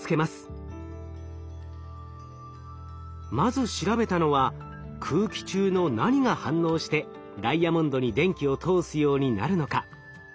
まず調べたのは空気中の何が反応してダイヤモンドに電気を通すようになるのか。